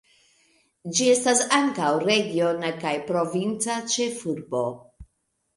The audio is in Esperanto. Ĝi estas ankaŭ regiona kaj provinca ĉefurboj.